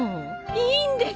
いいんです！